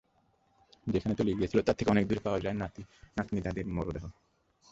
যেখানে তলিয়ে গিয়েছিল তার থেকে অনেক দূরে পাওয়া যায় নাতনি-দাদির মরদেহ।